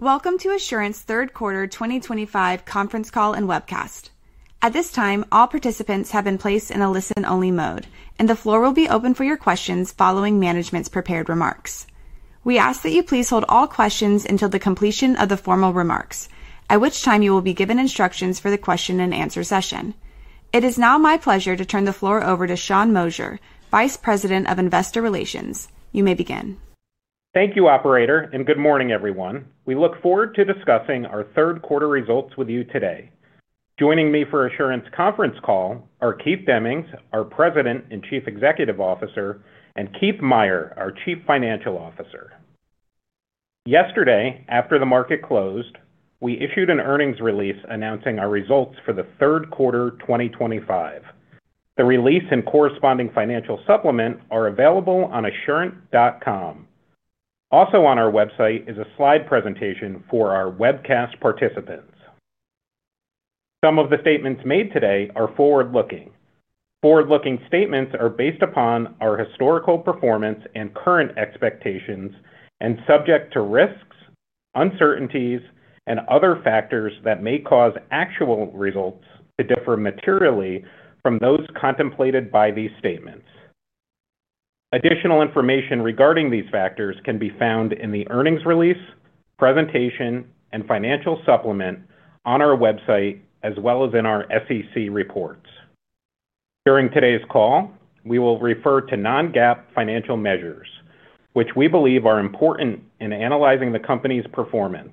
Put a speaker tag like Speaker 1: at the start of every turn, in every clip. Speaker 1: Welcome to Assurant's Third Quarter 2025 Conference Call and webcast. At this time, all participants have been placed in a listen only mode and the floor will be open for your questions. Following Management's prepared remarks, we ask that you please hold all questions until the completion of the formal remarks, at which time you will be given instructions for the question and answer session. It is now my pleasure to turn the floor over to Sean Moshier, Vice President of Investor Relations. You may begin.
Speaker 2: Thank you, Operator, and good morning, everyone. We look forward to discussing our third quarter results with you today. Joining me for Assurant's conference call are Keith Demmings, our President and Chief Executive Officer, and Keith Meier, our Chief Financial Officer. Yesterday, after the market closed, we issued an earnings release announcing our results for the third quarter 2025. The release and corresponding financial supplement are available on assurant.com. Also on our website is a slide presentation for our webcast participants. Some of the statements made today are forward-looking. Forward-looking statements are based upon our historical performance and current expectations and subject to risks, uncertainties, and other factors that may cause actual results to differ materially from those contemplated by these statements. Additional information regarding these factors can be found in the earnings release, presentation, and financial supplement on our website as well as in our SEC reports. During today's call we will refer to non-GAAP financial measures which we believe are important in analyzing the company's performance.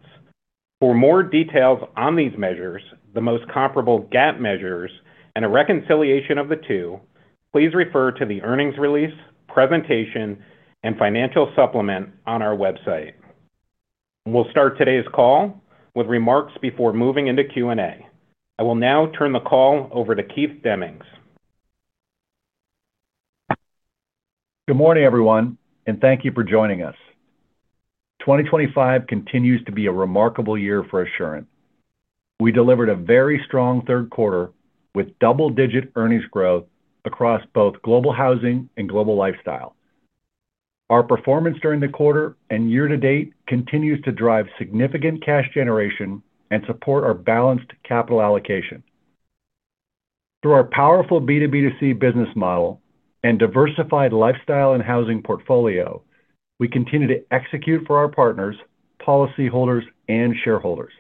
Speaker 2: For more details on these measures, the most comparable GAAP measures and a reconciliation of the two, please refer to the Earnings Release Presentation and Financial Supplement on our website. We'll start today's call with remarks before moving into Q&A. I will now turn the call over to Keith Demmings.
Speaker 3: Good morning everyone and thank you for joining us. 2025 continues to be a remarkable year for Assurant. We delivered a very strong third quarter with double-digit earnings growth across both Global Housing and Global Lifestyle. Our performance during the quarter and year to date continues to drive significant cash generation and support our balanced capital allocation. Through our powerful B2B2C business model and diversified lifestyle and housing portfolio, we continue to execute for our partners, policyholders, and shareholders.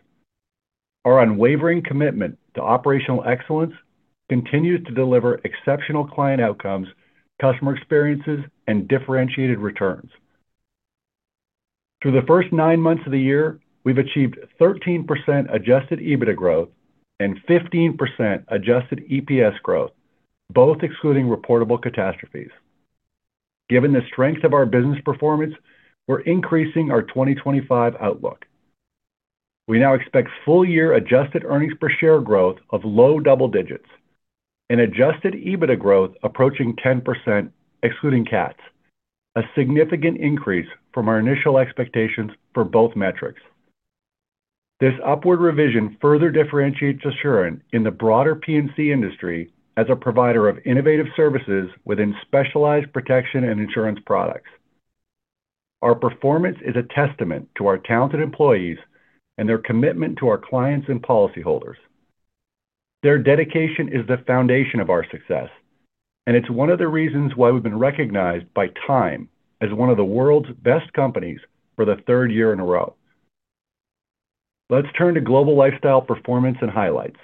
Speaker 3: Our unwavering commitment to operational excellence continues to deliver exceptional client outcomes, customer experiences, and differentiated returns. Through the first nine months of the year, we've achieved 13% Adjusted EBITDA growth and 15% adjusted EPS growth, both excluding reportable catastrophes. Given the strength of our business performance, we're increasing our 2025 outlook. We now expect full year adjusted earnings per share growth of low double digits and Adjusted EBITDA growth approaching 10% excluding cats, a significant increase from our initial expectations for both metrics. This upward revision further differentiates Assurant in the broader P&C industry as a provider of innovative services within specialized protection and insurance products. Our performance is a testament to our talented employees and their commitment to our clients and policyholders. Their dedication is the foundation of our success and it's one of the reasons why we've been recognized by Time as one of the world's best companies for the third year in a row. Let's turn to Global Lifestyle performance and highlights.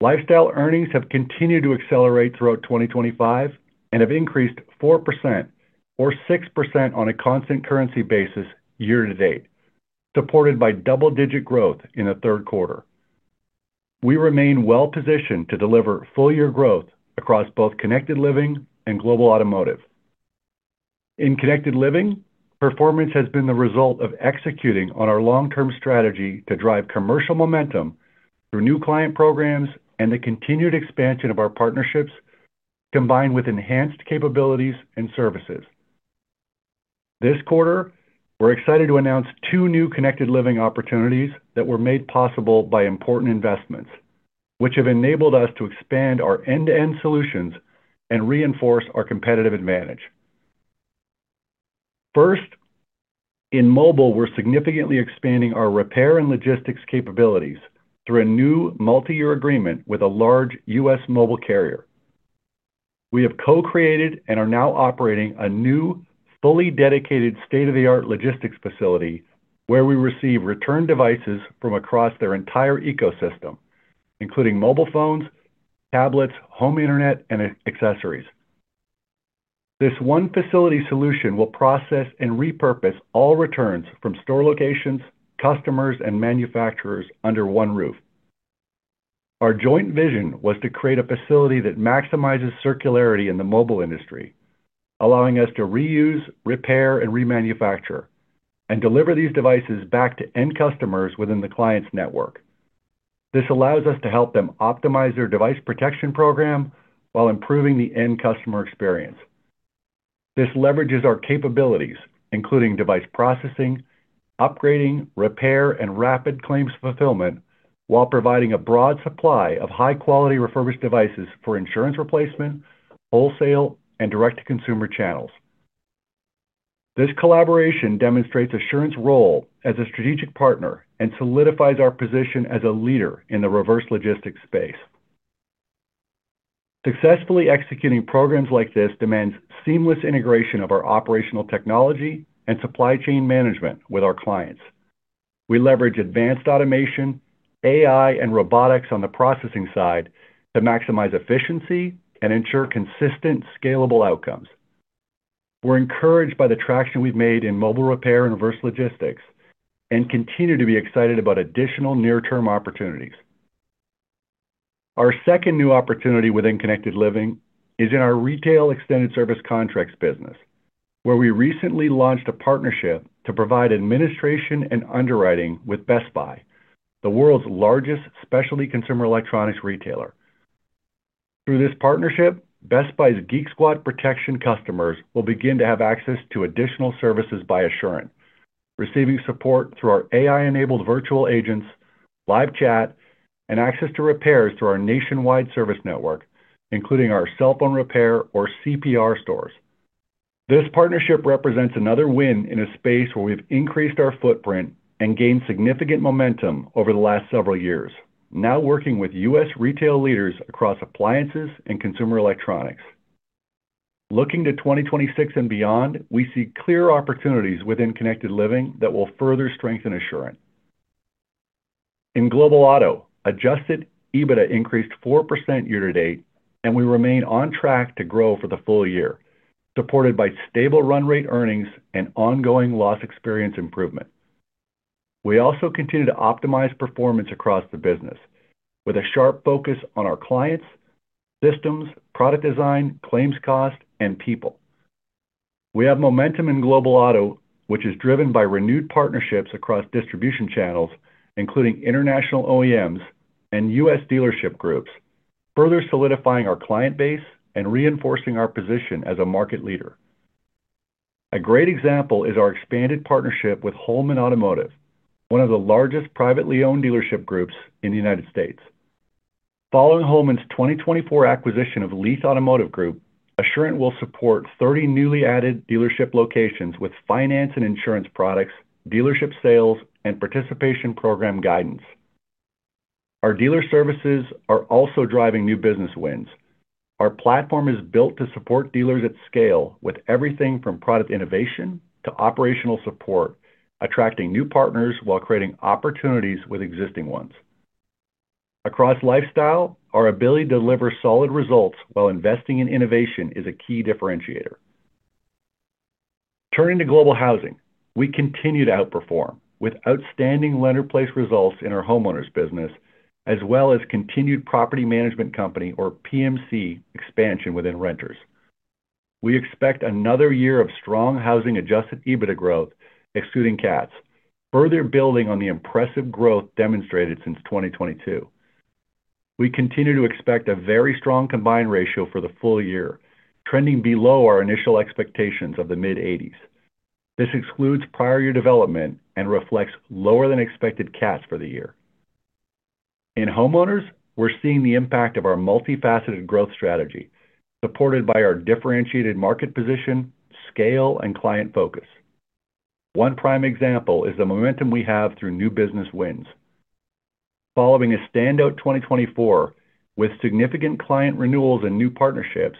Speaker 3: Lifestyle earnings have continued to accelerate throughout 2025 and have increased 4% or 6% on a constant currency basis year to date supported by double digit growth in the third quarter. We remain well positioned to deliver full year growth across both Connected Living and Global Automotive. In Connected Living, performance has been the result of executing on our long term strategy to drive commercial momentum through new client programs and the continued expansion of our partnerships combined with enhanced capabilities and services. This quarter we're excited to announce two new Connected Living opportunities that were made possible by important investments which have enabled us to expand our end to end solutions and reinforce our competitive advantage. First, in mobile, we're significantly expanding our repair and logistics capabilities through a new multi year agreement with a large U.S. mobile carrier. We have co-created and are now operating a new fully dedicated, state of the art logistics facility where we receive return devices from across their entire ecosystem including mobile phones, tablets, home Internet and accessories. This one facility solution will process and repurpose all returns from store locations, customers, and manufacturers under one roof. Our joint vision was to create a facility that maximizes circularity in the mobile industry, allowing us to reuse, repair, and remanufacture and deliver these devices back to end customers within the client's network. This allows us to help them optimize their device protection program while improving the end customer experience. This leverages our capabilities including device processing, upgrading, repair, and rapid claims fulfillment while providing a broad supply of high quality refurbished devices for insurance replacement, wholesale, and direct to consumer channels. This collaboration demonstrates Assurant's role as a strategic partner and solidifies our position as a leader in the reverse logistics space. Successfully executing programs like this demands seamless integration of our operational technology and supply chain management with our clients. We leverage advanced automation, AI and robotics on the processing side to maximize efficiency and ensure consistent, scalable outcomes. We're encouraged by the traction we've made in mobile repair and reverse logistics and continue to be excited about additional near term opportunities. Our second new opportunity within Connected Living is in our retail extended service contracts business where we recently launched a partnership to provide administration and underwriting with Best Buy, the world's largest specialty consumer electronics retailer. Through this partnership, Best Buy's Geek Squad protection customers will begin to have access to additional services by Assurant, receiving support through our AI enabled virtual agents, live chat, and access to repairs through our nationwide service network, including our cell phone repair or CPR stores. This partnership represents another win in a space where we've increased our footprint and gained significant momentum over the last several years. Now working with U.S. retail leaders across appliances and consumer electronics, looking to 2026 and beyond, we see clear opportunities within Connected Living that will further strengthen Assurant. In Global Auto, Adjusted EBITDA increased 4% year to date and we remain on track to grow for the full year supported by stable run rate earnings and ongoing loss experience improvement. We also continue to optimize performance across the business with a sharp focus on our clients, systems, product design, claims, cost, and people. We have momentum in Global Auto which is driven by renewed partnerships across distribution channels including international OEMs and US dealership groups, further solidifying our client base and reinforcing our position as a market leader. A great example is our expanded partnership with Holman Automotive, one of the largest privately owned dealership groups in the United States. Following Holman's 2024 acquisition of Leith Automotive Group, Assurant will support 30 newly added dealership locations with finance and insurance products, dealership sales and participation program guidance. Our dealer services are also driving new business wins. Our platform is built to support dealers at scale with everything from product innovation to operational support, attracting new partners while creating opportunities with existing ones across lifestyle. Our ability to deliver solid results while investing in innovation is a key differentiator. Turning to Global Housing, we continue to outperform with outstanding lender placed results in our homeowners business as well as continued property management company or PMC expansion. Within renters, we expect another year of strong housing Adjusted EBITDA growth excluding cats. Further, building on the impressive growth demonstrated since 2022, we continue to expect a very strong combined ratio for the full year trending below our initial expectations of the mid-80s. This excludes prior year development and reflects lower than expected cats for the year. In homeowners, we're seeing the impact of our multifaceted growth strategy supported by our differentiated market position, scale, and client focus. One prime example is the momentum we have through new business wins following a standout 2024 with significant client renewals and new partnerships.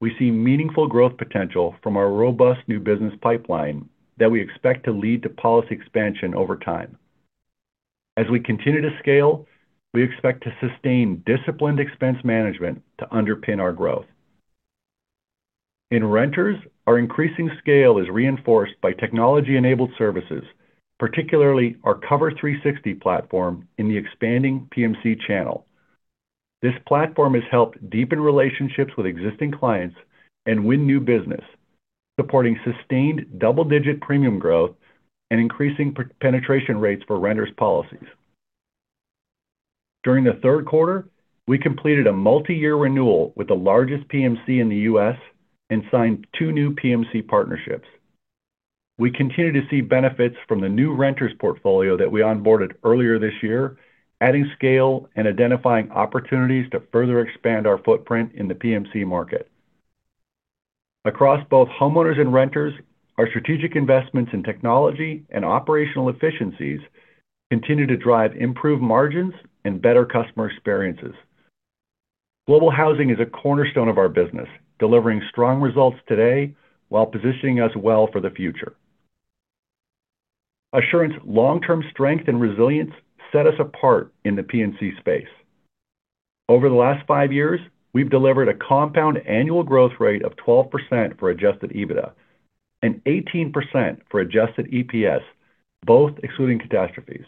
Speaker 3: We see meaningful growth potential from our robust new business pipeline that we expect to lead to policy expansion over time. As we continue to scale, we expect to sustain disciplined expense management to underpin our growth in renters. Our increasing scale is reinforced by technology-enabled services, particularly our Cover360 platform in the expanding PMC channel. This platform has helped deepen relationships with existing clients and win new business, supporting sustained double-digit premium growth and increasing penetration rates for renters policies. During the third quarter we completed a multi year renewal with the largest PMC in the U.S. and signed two new PMC partnerships. We continue to see benefits from the new renters portfolio that we onboarded earlier this year, adding scale and identifying opportunities to further expand our footprint in the PMC market across both homeowners and renters. Our strategic investments in technology and operational efficiencies continue to drive improved margins and better customer experiences. Global Housing is a cornerstone of our business, delivering strong results today while positioning us well for the future. Assurant's long term strength and resilience set us apart in the P&C space. Over the last five years we've delivered a compound annual growth rate of 12% for Adjusted EBITDA and 18% for adjusted EPS, both excluding catastrophes.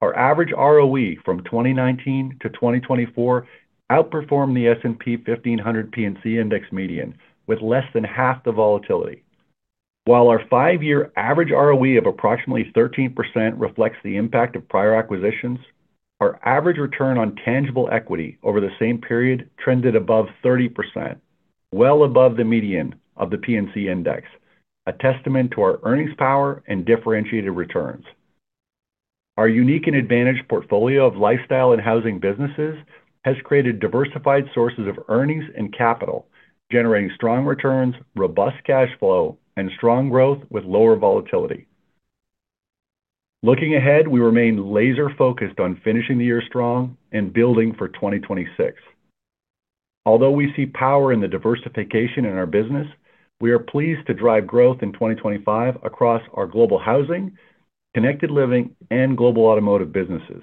Speaker 3: Our average ROE from 2019 to 2024 outperformed the S&P 1500 P&C Index median with less than half the volatility, while our five year average ROE of approximately 13% reflects the impact of prior acquisitions. Our average return on tangible equity over the same period trended above 30%, well above the median of the P&C index, a testament to our earnings power and differentiated returns. Our unique and advantaged portfolio of lifestyle and housing businesses has created diversified sources of earnings and capital, generating strong returns, robust cash flow and strong growth with lower volatility. Looking ahead, we remain laser focused on finishing the year strong and building for 2026. Although we see power in the diversification in our business, we are pleased to drive growth in 2025 across our global housing, Connected Living and Global Automotive businesses.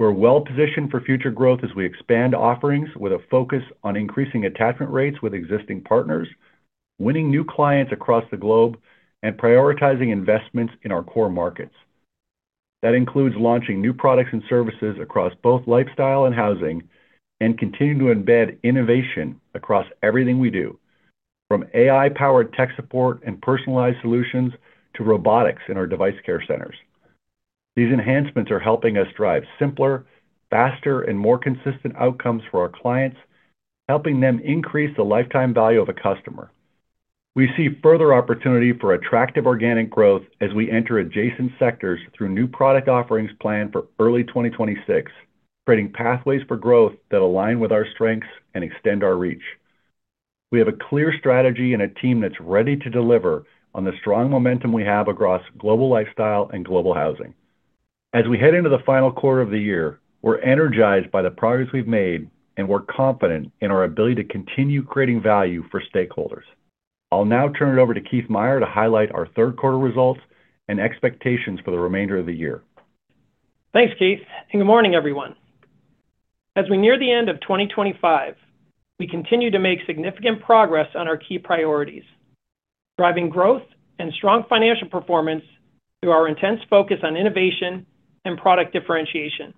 Speaker 3: We're well positioned for future growth as we expand offerings with a focus on increasing attachment rates with existing partners, winning new clients across the globe, and prioritizing investments in our core markets. That includes launching new products and services across both lifestyle and housing, and continuing to embed innovation across everything we do, from AI powered tech support and personalized solutions to robotics in our device care centers. These enhancements are helping us drive simpler, faster, and more consistent outcomes for our clients, helping them increase the lifetime value of a customer. We see further opportunity for attractive organic growth as we enter adjacent sectors through new product offerings planned for early 2026, creating pathways for growth that align with our strengths and extend our reach. We have a clear strategy and a team that's ready to deliver on the strong momentum we have across Global Lifestyle and Global Housing. As we head into the final quarter of the year, we're energized by the progress we've made and we're confident in our ability to continue creating value for stakeholders. I'll now turn it over to Keith Meier to highlight our third quarter results and expectations for the remainder of the year.
Speaker 4: Thanks Keith and good morning everyone. As we near the end of 2025, we continue to make significant progress on our key priorities driving growth and strong financial performance. Through our intense focus on innovation. Product differentiation,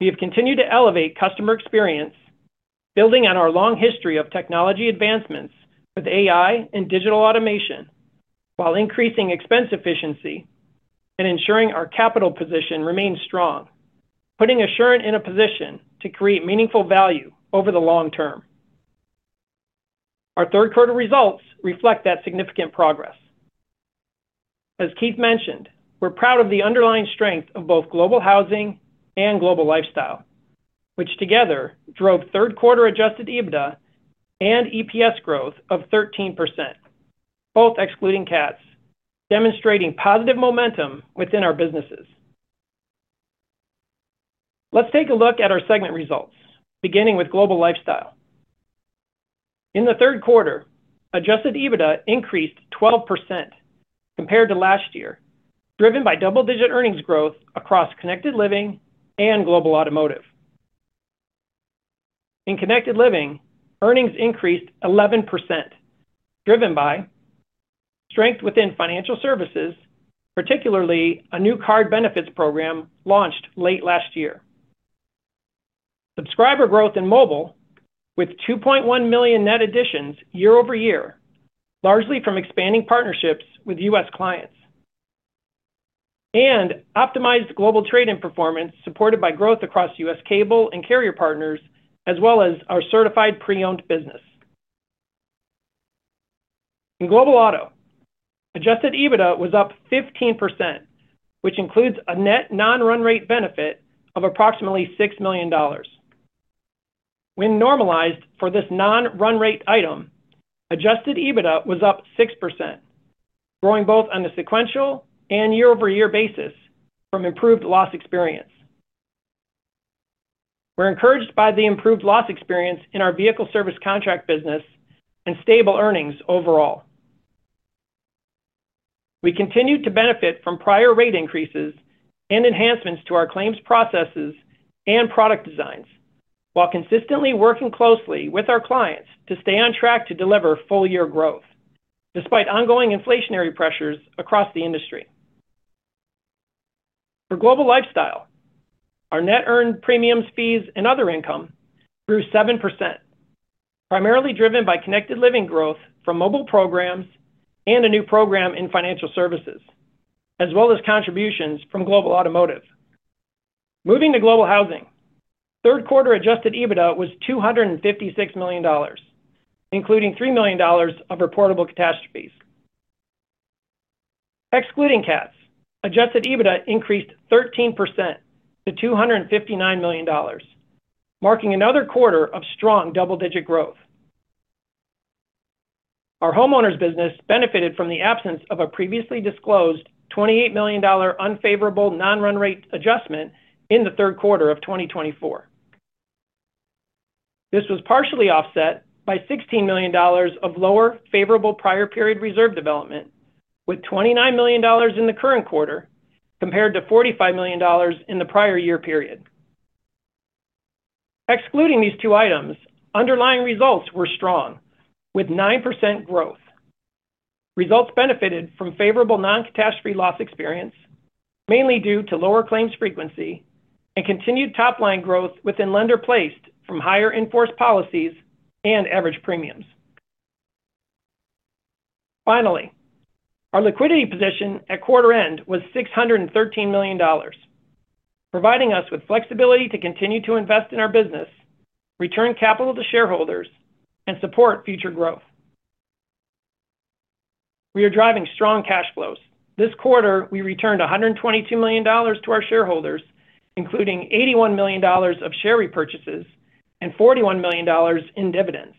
Speaker 4: we have continued to elevate customer experience, building on our long history of technology advancements with AI and digital automation while increasing expense efficiency and ensuring our capital position remains strong, putting Assurant in a position to create meaningful value over the long term. Our third quarter results reflect that significant progress. As Keith mentioned, we're proud of the underlying strength of both Global Housing and Global Lifestyle, which together drove third quarter Adjusted EBITDA and EPS growth of 13%, both excluding cats, demonstrating positive momentum within our businesses. Let's take a look at our segment results beginning with Global Lifestyle. In the third quarter, Adjusted EBITDA increased 12% compared to last year, driven by double digit earnings growth across Connected Living and Global Automotive. In Connected Living, earnings increased 11% driven by strength within financial services, particularly a new card benefits program launched late last year. Subscriber growth in mobile with 2.1 million net additions year over year largely from expanding partnerships with US Clients and optimized global trade in performance supported by growth across US Cable and carrier partners as well as our certified pre owned business. In Global Auto, Adjusted EBITDA was up 15% which includes a net non run rate benefit of approximately $6 million. When normalized for this non run rate item, Adjusted EBITDA was up 6%, growing both on a sequential and year over year basis from improved loss experience. We're encouraged by the improved loss experience in our vehicle service contract business stable earnings overall. We continue to benefit from prior rate increases and enhancements to our claims, processes and product designs while consistently working closely with our clients to stay on track to deliver full year growth despite ongoing inflationary pressures across the industry. For Global Lifestyle, our net earned premiums, fees and other income grew 7%, primarily driven by Connected Living, growth from mobile programs and a new program in financial services as well as contributions from Global Automotive. Moving to Global Housing, third quarter Adjusted EBITDA was $256 million including $3 million of reportable catastrophes. Excluding cats, Adjusted EBITDA increased 13% to $259 million, marking another quarter of strong double digit growth. Our homeowners business benefited from the absence of a previously disclosed $28 million unfavorable non run rate adjustment in the third quarter of 2024. This was partially offset by $16 million of lower favorable prior period reserve development, with $29 million in the current quarter compared to $45 million in the prior year period. Excluding these two items, underlying results were strong with 9% growth. Results benefited from favorable non catastrophe loss experience mainly due to lower claims frequency and continued top line growth within lender placed from higher in force policies and average premium. Finally, our liquidity position at quarter end was $613 million providing us with flexibility to continue to invest in our business, return capital to shareholders and support future growth. We are driving strong cash flows. This quarter we returned $122 million to our shareholders including $81 million of share repurchases and $41 million in dividends.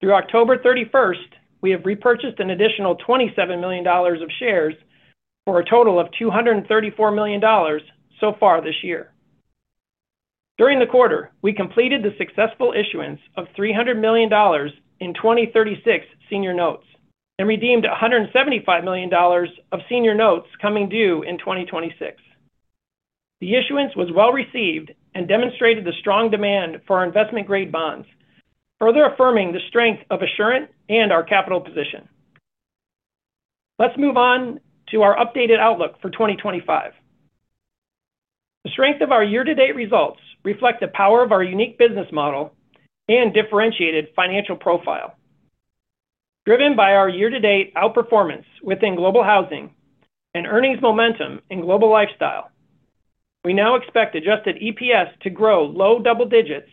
Speaker 4: Through October 31st we have repurchased an additional $27 million of shares for a total of $234 million so far this year. During the quarter we completed the successful issuance of $300 million in 2036 senior notes and redeemed $175 million of senior notes coming due in 2026. The issuance was well received and demonstrated. The strong demand for our investment grade. Bonds, further affirming the strength of Assurant and our capital position. Let's move on to our updated outlook for 2025. The strength of our year to date results reflect the power of our unique business model and differentiated financial profile driven by our year to date outperformance within Global Housing and earnings momentum in Global Lifestyle. We now expect adjusted EPS to grow low double digits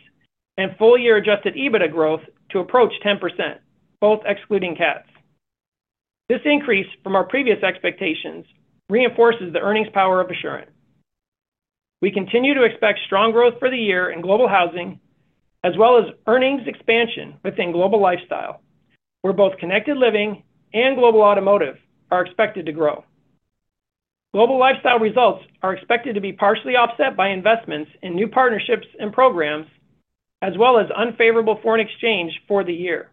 Speaker 4: and full year Adjusted EBITDA growth to approach 10% both excluding cats. This increase from our previous expectations reinforces the earnings power of Assurant. We continue to expect strong growth for the year in Global Housing as well as earnings expansion within Global Lifestyle where both Connected Living and Global Automotive are expected to grow. Global Lifestyle results are expected to be partially offset by investments in new partnerships and programs as well as unfavorable foreign exchange. For the year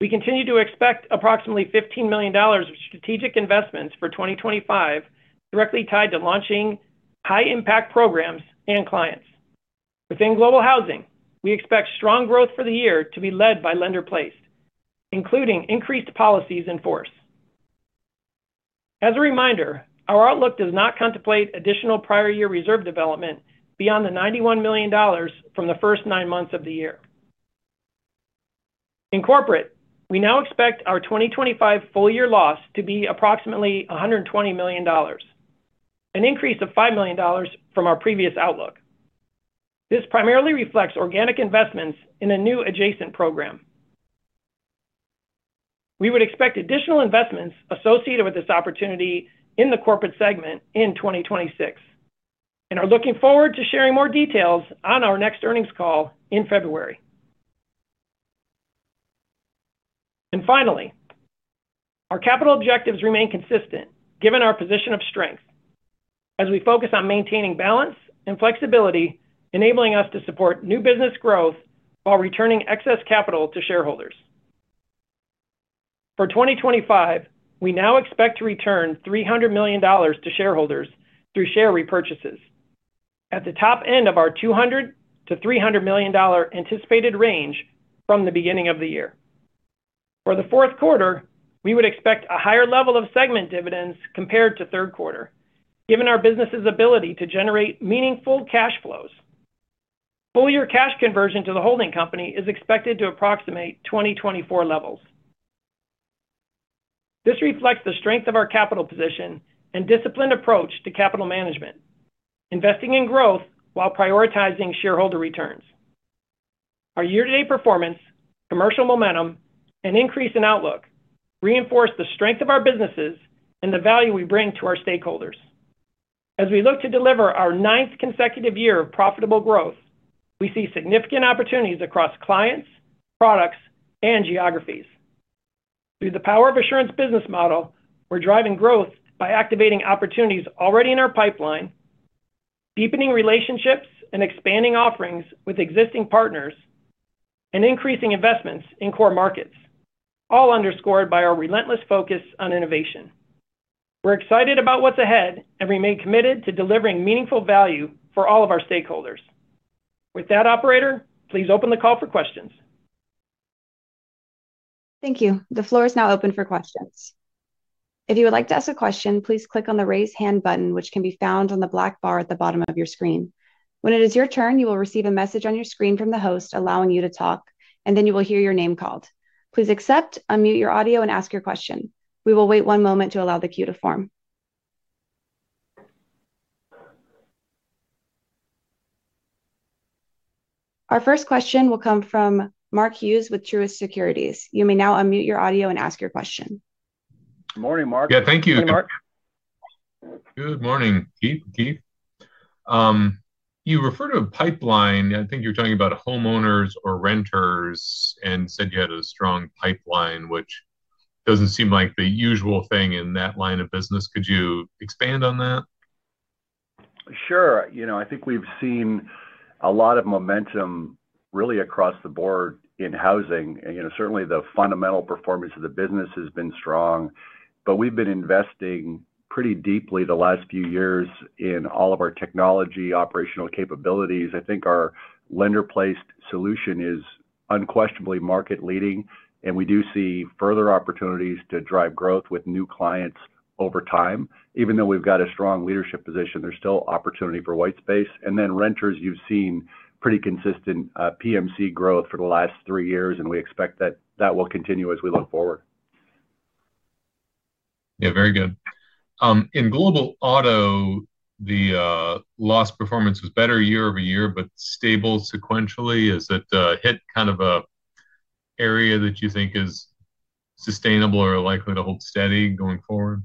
Speaker 4: we continue to expect approximately $15 million of strategic investments for 2025 directly tied to launching high impact programs and clients within Global Housing. We expect strong growth for the year to be led by lender placed, including increased policies in force. As a reminder, our outlook does not contemplate additional prior year reserve development beyond the $91 million from the first nine months of the year. In Corporate we now expect our 2025 full year loss to be approximately $120 million, an increase of $5 million from our previous outlook. This primarily reflects organic investments in a new adjacent program. We would expect additional investments associated with this opportunity in the Corporate segment in 2026 and are looking forward to sharing more details on our next earnings call in February. Our capital objectives remain consistent given our position of strength as we focus on maintaining balance and flexibility enabling us to support new business growth while returning excess capital to shareholders. For 2025, we now expect to return $300 million to shareholders through share repurchases at the top end of our $200 million-$300 million anticipated range from the beginning of the year. For the fourth quarter, we would expect a higher level of segment dividends compared to third quarter given our business's ability to generate meaningful cash flows. Full year cash conversion to the holding company is expected to approximate 2024 levels. This reflects the strength of our capital position and disciplined approach to capital management. Investing in growth while prioritizing shareholder returns, our year-to-date performance, commercial momentum, and increase in outlook reinforce the strength of our businesses and the value we bring to our stakeholders. As we look to deliver our ninth consecutive year of profitable growth, we see significant opportunities across clients, products, and geographies through the power of Assurant's business model. We're driving growth by activating opportunities already in our pipeline, deepening relationships and expanding offerings with existing partners, and increasing investments in core markets, all underscored by our relentless focus on innovation. We're excited about what's ahead and remain committed to delivering meaningful value for all of our stakeholders. With that, operator, please open the call for questions.
Speaker 1: Thank you. The floor is now open for questions. If you would like to ask a question, please click on the Raise hand button which can be found on the black bar at the bottom of your screen. When it is your turn, you will receive a message on your screen from the host allowing you to talk and then you will hear your name called. Please accept, unmute your audio, and ask your question. We will wait one moment to allow the queue to form. Our first question will come from Mark Hughes with Truist Securities. You may now unmute your audio and ask your question.
Speaker 3: Good morning, Mark.
Speaker 5: Yeah, thank you. Good morning, Keith. You refer to a pipeline, I think you're talking about homeowners or renters and said you had a strong pipeline, which doesn't seem like the usual thing in that line of business. Could you expand on that?
Speaker 3: Sure. You know, I think we've seen a lot of momentum really across the board in housing. You know, certainly the fundamental performance of the business has been strong, but we've been investing pretty deeply the last few years in all of our technology operational capabilities. I think our lender placed solution is unquestionably market leading and we do see further opportunities to drive growth with new clients over time. Even though we've got a strong leadership position, there's still opportunity for white space and then renters. You've seen pretty consistent PMC growth for the last three years and we expect that that will continue as we look forward.
Speaker 5: Yeah, very good. In Global Auto, the loss performance was better year over year, but stable sequentially. Is it hit kind of an area that you think is sustainable or likely to hold steady going forward?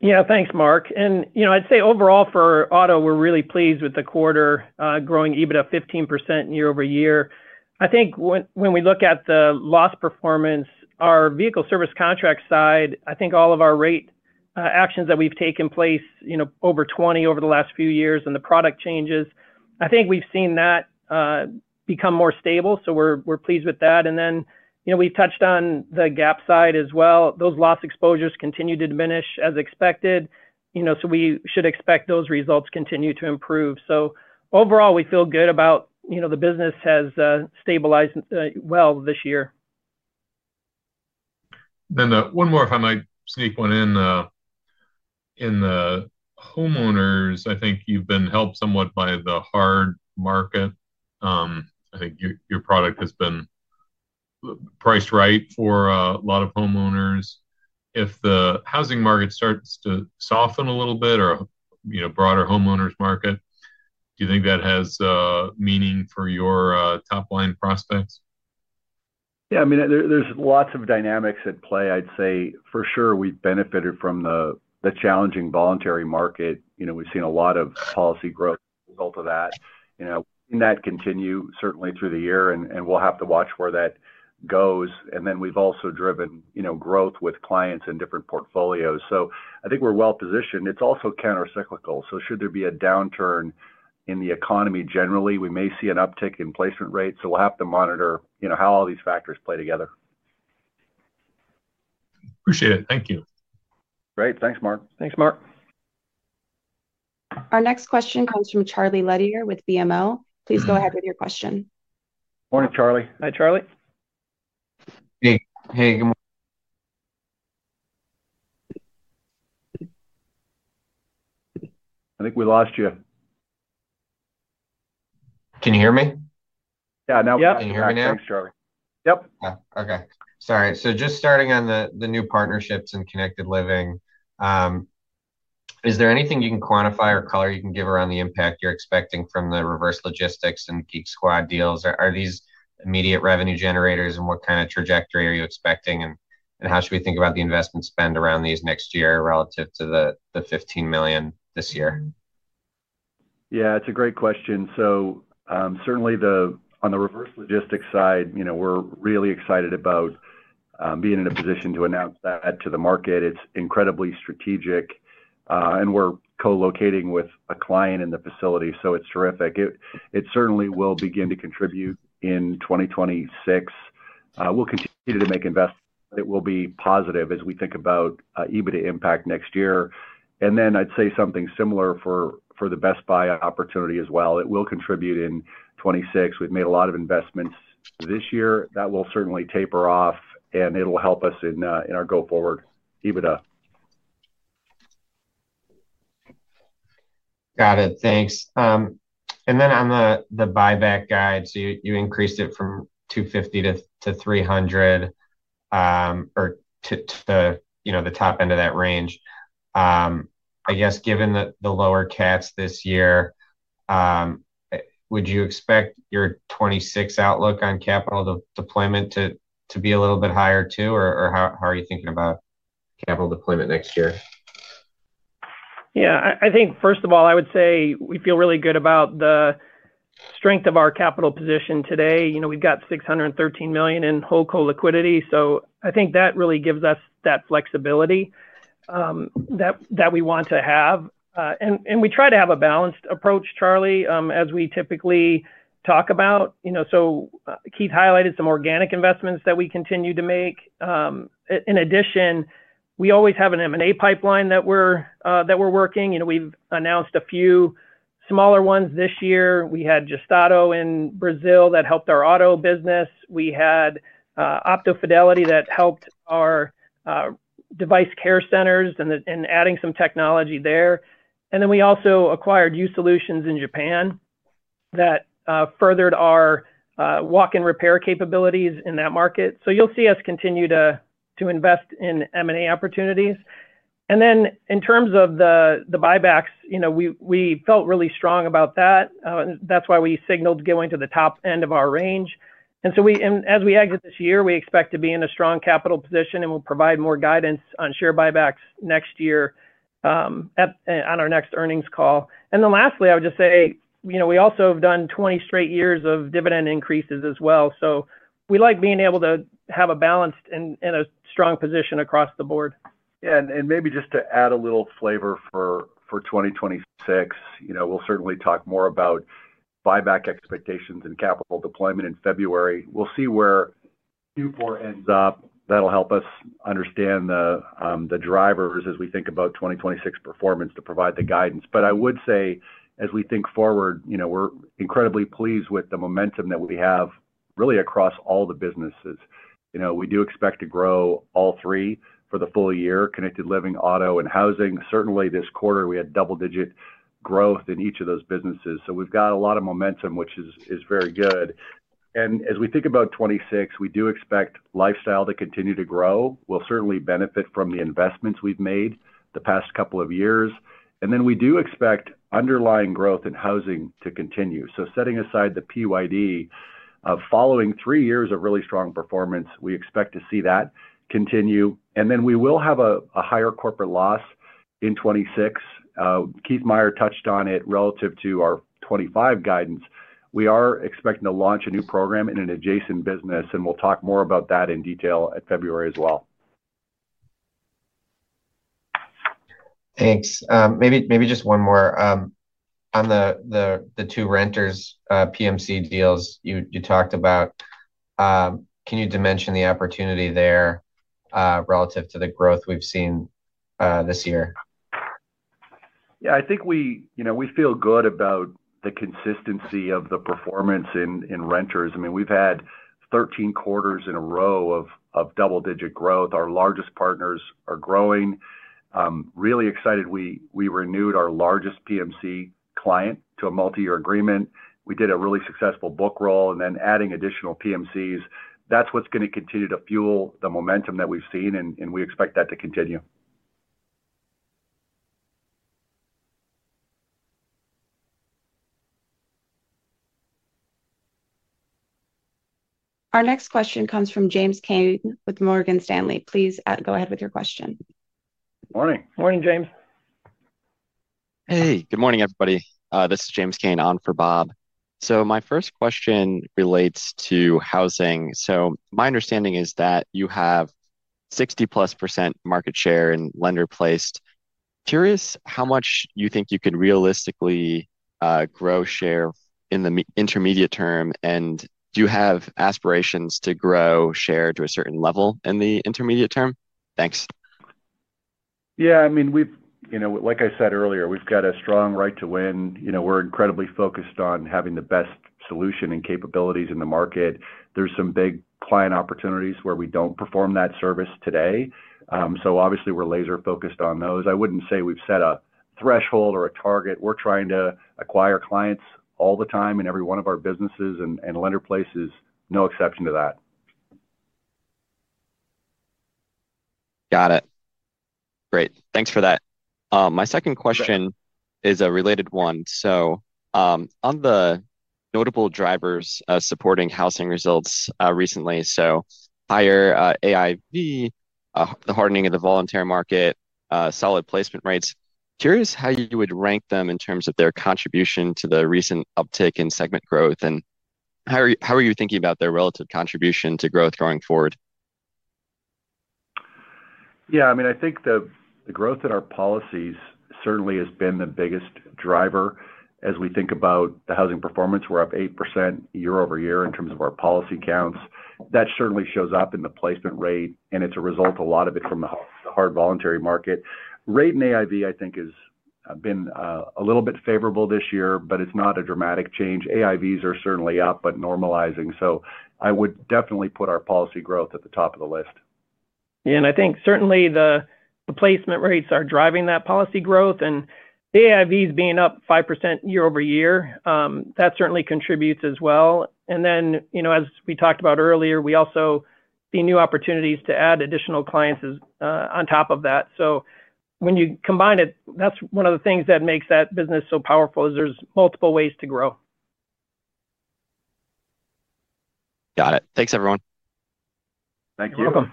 Speaker 4: Yeah, thanks, Mark. You know, I'd say overall for auto, we're really pleased with the quarter growing EBITDA 15% year over year. I think when we look at the loss performance, our vehicle service contract side, I think all of our rate actions that we've taken place, you know, over 20 over the last few years and the product changes, I think we've seen that become more stable. We're pleased with that. You know, we've touched on the gap side as well. Those loss exposures continue to diminish as expected, you know, so we should expect those results continue to improve. Overall we feel good about, you know, the business has stabilized well this year.
Speaker 5: One more, if I might sneak one in in the homeowners, I think you've been helped somewhat by the hard market. I think your product has been priced right for a lot of homeowners. If the housing market starts to soften a little bit or, you know, broader homeowners market, do you think that has meaning for your top line prospects?
Speaker 3: Yeah, I mean, there's lots of dynamics at play. I'd say for sure we've benefited from the challenging voluntary market. You know, we've seen a lot of policy growth, both of that, you know, that continued certainly through the year and we'll have to watch where that goes. And then we've also driven, you know, growth with clients in different portfolios. I think we're well positioned. It's also countercyclical. Should there be a downturn in the economy, generally we may see an uptick in placement rates. We'll have to monitor, you know, how all these factors play together.
Speaker 5: Appreciate it. Thank you.
Speaker 3: Great. Thanks, Mark.
Speaker 4: Thanks, Mark.
Speaker 1: Our next question comes from Charlie Lederer with BMO. Please go ahead with your question.
Speaker 3: Morning, Charlie.
Speaker 4: Hi, Charlie.
Speaker 6: Hey. Hey, good morning.
Speaker 3: I think we lost you.
Speaker 6: Can you hear me?
Speaker 4: Yeah.
Speaker 3: Now? Yeah.
Speaker 6: Can you hear me now?
Speaker 3: Thanks, Charlie.
Speaker 2: Yep.
Speaker 6: Okay. Sorry. Just starting on the new partnerships and Connected Living. Is there anything you can quantify or color you can give around the impact you're expecting from the reverse logistics and Geek Squad deals? Are these immediate revenue generators and what kind of trajectory are you expecting and how should we think about the investment spend around these next year relative to the $15 million this year?
Speaker 3: Yeah, it's a great question. Certainly on the reverse logistics side, we're really excited about being in a position to announce that to the market. It's incredibly strategic and we're co-locating with a client in the facility. It's terrific. It certainly will begin to contribute in 2026. We'll continue to make investment. It will be positive as we think about EBITDA impact next year. I'd say something similar for the Best Buy opportunity as well. It will contribute in 2026. We've made a lot of investments this year that will certainly taper off and it will help us in our go forward EBITDA.
Speaker 6: Got it. Thanks. On the buyback guide, you increased it from $250 million-$300 million or the top end of that range, I guess. Given the lower cats this year, would you expect your 2026 outlook on capital deployment to be a little bit higher too? How are you thinking about capital deployment next year?
Speaker 4: Yeah, I think first of all I would say we feel really good about the strength of our capital position today. You know, we've got $613 million in holdco liquidity. I think that really gives us that flexibility that we want to. Have and we try to have a. Balanced approach, Charlie, as we typically talk about, you know. Keith highlighted some organic investments that we continue to make. In addition, we always have an M&A pipeline that we're working. We've announced a few smaller ones this year. We had Gestato in Brazil that helped our auto business. We had OptoFidelity that helped our device care centers and adding some technology there. Then we also acquired U Solutions in Japan. That furthered our walk-in repair capabilities in that market. You'll see us continue to invest in M&A opportunities. In terms of the buybacks, you know, we felt really strong about that. That's why we signaled going to the top end of our range. As we exit this year, we expect to be in a strong capital position and we'll provide more guidance on share buybacks next year, on our next earnings call. Lastly, I would just say, you know, we also have done 20 straight years of dividend increases as well. We like being able to have a balanced and a strong position across the board.
Speaker 3: Maybe just to add a little. Flavor for 2026, we'll certainly talk more about buyback expectations and capital deployment in February. We'll see where Q4 ends up. That'll help us understand the drivers as we think about 2026 performance to provide the guidance. I would say as we think forward, we're incredibly pleased with the momentum that we have really across all the businesses. You know, we do expect to grow all three for the full year. Connected Living, Auto and Housing. Certainly this quarter we had double digit growth in each of those businesses. We've got a lot of momentum which is very good. As we think about 26, we. Do expect lifestyle to continue to grow. We'll certainly benefit from the investments we've made the past couple of years. We do expect underlying growth. In housing to continue. Setting aside the PYD, following three years of really strong performance, we expect to see that continue and then we will have a higher corporate loss in 2026. Keith Meier touched on it relative to our 2025 guidance. We are expecting to launch a new program in an adjacent business and we'll talk more about that in detail at February as well.
Speaker 6: Thanks. Maybe, maybe just one more on the two renters PMC deals you talked about. Can you dimension the opportunity there relative to the growth we've seen this year?
Speaker 3: Yeah, I think we, you know, we. Feel good about the consistency of the performance in renters. I mean we've had 13 quarters in a row of double-digit growth. Our largest partners are growing, really excited. We renewed our largest PMC client to a multi-year agreement. We did a really successful book roll and then adding additional PMCs. That's what's going to continue to fuel. The momentum that we've seen and we expect that to.
Speaker 1: Our next question comes from James Kane with Morgan Stanley. Please go ahead with your question.
Speaker 7: Morning.
Speaker 4: Morning, James.
Speaker 7: Hey, good morning everybody. This is James Kane on for Bob. My first question relates to housing. My understanding is that you have 60%+ market share in lender placed. Curious how much you think you could realistically grow share in the intermediate term and do you have aspirations to grow share to a certain level in the intermediate term? Thanks.
Speaker 3: Yeah, I mean we've, you know, like. I said earlier, we've got a strong right to win. You know, we're incredibly focused on having the best solution and capabilities in the market. There's some big client opportunities where we don't perform that service today. Obviously we're laser focused on those. I wouldn't say we've set up a threshold or a target. We're trying to acquire clients all the time in every one of our businesses and lender placed is no exception to that.
Speaker 7: Got it. Great, thanks for that. My second question is a related one. On the notable drivers supporting housing results recently, higher AIV, higher the hardening of the voluntary market, solid placement rates. Curious how you would rank them in terms of their contribution to the recent uptick in segment growth and how are you thinking about their relative contribution to growth going forward?
Speaker 3: Yeah, I mean, I think the growth. In our policies certainly has been the biggest driver. As we think about the housing performance, we're up 8% year over year in terms of our policy counts. That certainly shows up in the placement rate and it's a result, a lot of it from the hard voluntary market rate in AIV, I think has been a little bit favorable this year, but it's not a dramatic change. AIVs are certainly up, but normalizing. I would definitely put our policy growth at the top of the list.
Speaker 4: Yeah, I think certainly the placement rates are driving that policy growth. The AIVs being up 5% year over year, that certainly contributes as well. As we talked about earlier, we also see new opportunities to add additional clients on top of that. When you combine it, that's one of the things that makes that business. So powerful, is there's multiple ways to grow.
Speaker 7: Got it. Thanks everyone. Thank you.
Speaker 3: Welcome.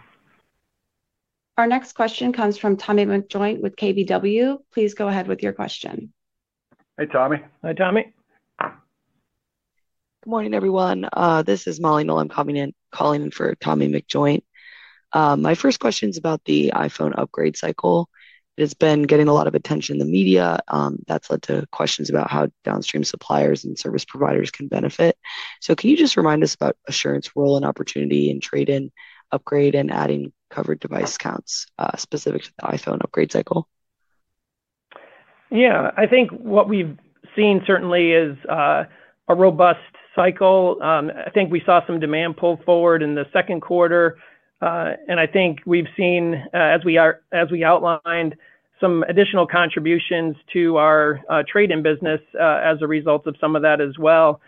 Speaker 1: Our next question comes from Tommy McJoynt with KBW. Please go ahead with your question.
Speaker 3: Hey, Tommy.
Speaker 4: Hi, Tommy.
Speaker 8: Good morning everyone. This is Molly Knoell calling in for Tommy McJoynt. My first question is about the iPhone upgrade cycle. It has been getting a lot of attention in the media. That has led to questions about how downstream suppliers and service providers can benefit. Can you just remind us about Assurant's role and opportunity in trade-in, upgrade, and adding covered device counts, specific to the iPhone upgrade cycle.
Speaker 4: Yeah, I think what we've seen certainly. Is a robust cycle. I think we saw some demand pull forward in the second quarter and I think we've seen as we outlined some additional contributions to our trade in business as a result of some of that as well.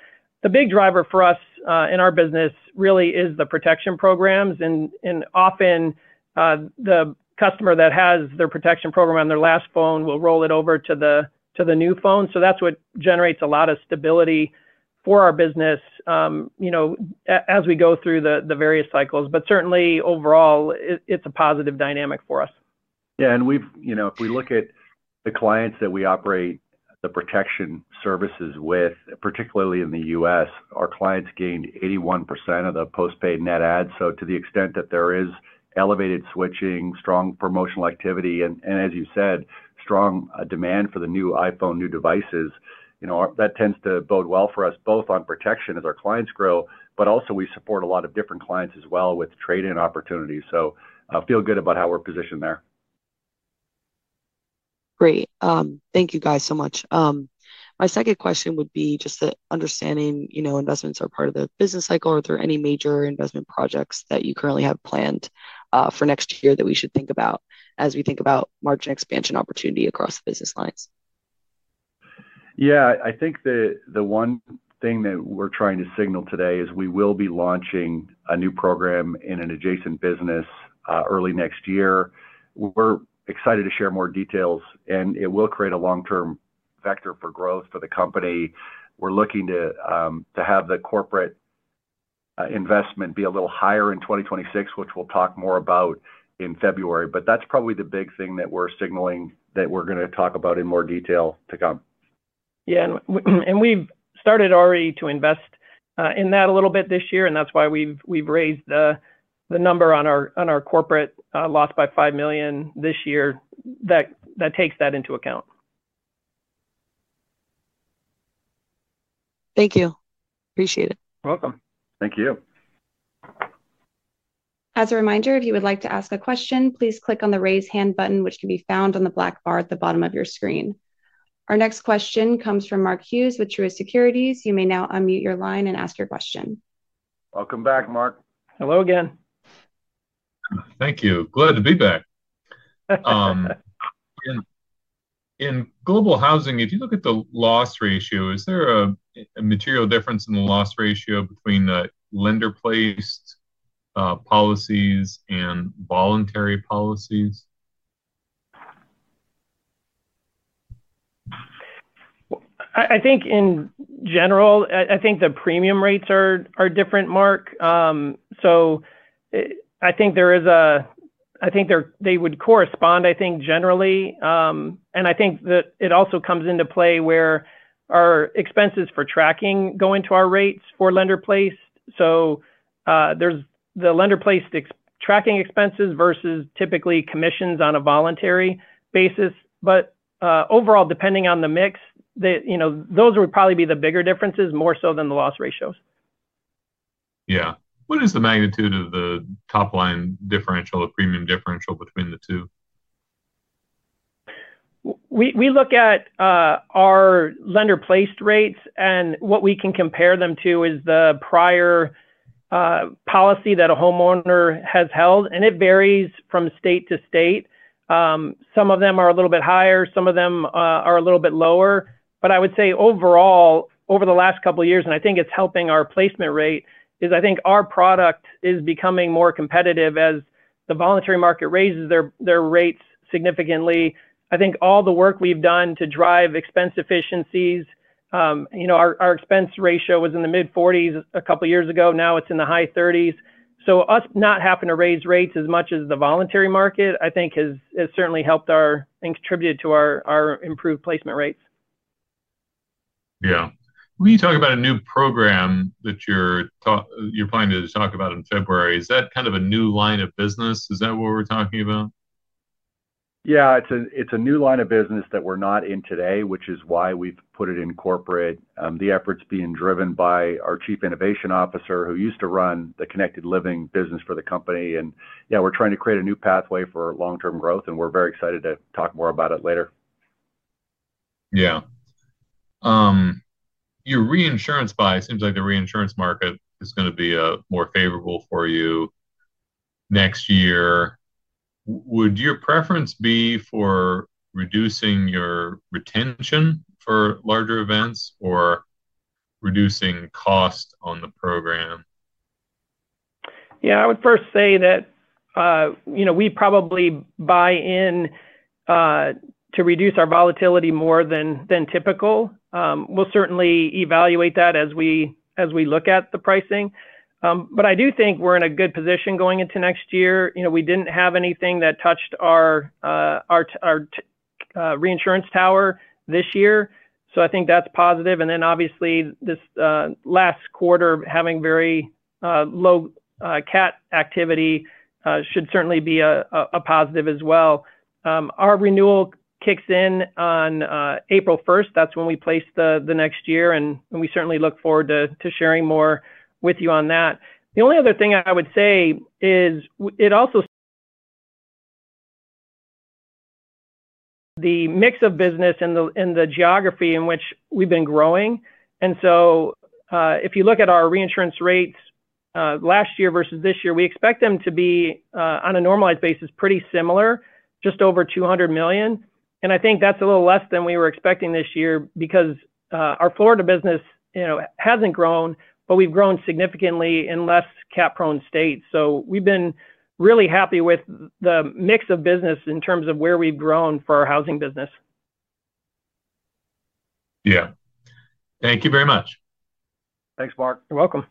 Speaker 4: The big driver for us in our business really is the protection programs. Often the customer that has their protection program on their last phone will roll it over to the new phone. That's what generates a lot of. Stability for our business as we go through the various cycles. Certainly overall it's a positive dynamic for us.
Speaker 8: Yeah.
Speaker 3: We have, you know, if we look at the clients that we operate the protection services with, particularly in the U.S., our clients gained 81% of the postpaid net add. To the extent that there is elevated switching, strong promotional activity, and as you said, strong demand for the new iPhone, new devices, that tends to bode well for us both on protection as our clients grow. We also support a lot of different clients as well with trade-in opportunities. Feel good about how we're positioned there.
Speaker 8: Great. Thank you guys so much. My second question would be just that understanding, you know, investments are part of the business cycle. Are there any major investment projects that you currently have planned for next year that we should think about as we think about margin expansion opportunity across business lines?
Speaker 3: Yeah, I think the one thing that we're trying to signal today is we will be launching a new program in an adjacent business early next year. We're excited to share more details and it will create a long term vector for growth for the company. We're looking to have the corporate investment be a little higher in 2026, which we'll talk more about in February. That's probably the big thing that we're signaling that we're going to talk about in more detail to come.
Speaker 4: Yeah, and we've started already to invest in that a little bit this year and that's why we've raised the number on our corporate loss by $5 million this year. That takes that into account.
Speaker 8: Thank you. Appreciate it.
Speaker 4: Welcome.
Speaker 3: Thank you.
Speaker 1: As a reminder, if you would like to ask a question, please click on the raise hand button which can be found on the black bar at the bottom of your screen. Our next question comes from Mark Hughes with Truist Securities. You may now unmute your line and ask your question.
Speaker 3: Welcome back, Mark.
Speaker 4: Hello again.
Speaker 5: Thank you. Glad to be back in Global Housing. If you look at the loss ratio, is there a material difference in the loss ratio between lender placed policies and voluntary policies?
Speaker 4: I think in general, I think the premium rates are different, Mark. I think they would correspond, I think generally, and I think that it also comes into play where our expenses for tracking. Go into our rates for lender placed. There is the lender placed tracking expenses. Versus typically commissions on a voluntary basis. Overall, depending on the mix, those would probably be the bigger differences, more so than the loss ratios.
Speaker 5: Yeah. What is the magnitude of the top line differential, the premium differential between the two?
Speaker 4: We look at our lender placed rates. What we can compare them to is the prior policy that a homeowner has held and it varies from state to state. Some of them are a little bit higher, some of them are a little bit lower. I would say overall over the. Last couple years and I think it's helping. Our placement rate is. I think our product is becoming more competitive as the voluntary market raises their rates significantly. I think all the work we've done to drive expense efficiencies, you know, our expense ratio was in the mid-40s a couple years ago. Now it's in the high 30s. Us not having to raise rates as much as the voluntary market I think has certainly helped our and contributed to our improved placement rates.
Speaker 5: Yeah. When you talk about a new program that you're planning to talk about in February, is that kind of a new line of business? Is that what we're talking about?
Speaker 3: Yeah, it's a new line of business. That we're not in today, which is why we've put it in corporate. The efforts being driven by our Chief Innovation Officer who used to run the Connected Living business for the company. Yeah, we're trying to create a new pathway for long term growth and we're very excited to talk more about it later.
Speaker 5: Yeah, your reinsurance buy. Seems like the reinsurance market is going to be more favorable for you next year. Would your preference be for reducing your retention for larger events or reducing cost on the program?
Speaker 4: Yeah, I would first say that, you know, we probably buy in to reduce. Our volatility more than typical. We'll certainly evaluate that as we, as we look at the pricing. I do think we're in a good position going into next year. You know, we didn't have anything that touched our reinsurance tower this year, so I think that's positive. Obviously this last quarter having very low cat activity should certainly be a positive as well. Our renewal kicks in on April 1st, that's when we place the next year. We certainly look forward to sharing more with you on that. The only other thing I would say is it also the mix of business in the geography in which we've been growing. If you look at our. Reinsurance rates last year versus this year. We expect them to be on a normalized basis, pretty similar, just over $200 million. I think that's a little less than we were expecting this year because our Florida business, you know, hasn't grown, but we've grown significantly in less cap prone states. We've been really happy with the mix of business in terms of where we've grown for our housing business.
Speaker 5: Yeah. Thank you very much.
Speaker 3: Thanks, Mark.
Speaker 5: You're welcome.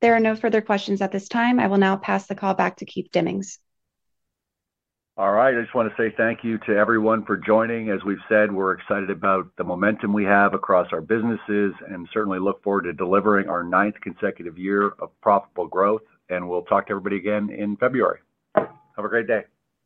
Speaker 1: There are no further questions at this time. I will now pass the call back to Keith Demmings.
Speaker 3: All right. I just want to say thank you to everyone for joining. As we have said, we are excited about the momentum we have across our businesses and certainly look forward to delivering our ninth consecutive year of profitable growth. We will talk to everybody again in February. Have a great day.